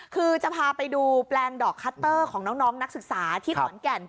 คือจะพาไปดูแปลงดอกคัตเตอร์ของน้องนักศึกษาที่ขอนแก่น